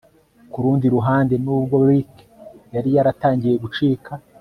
Kurundi ruhande nubwo Rick yari yaratangiye gucika